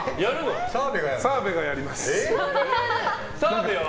澤部がやります。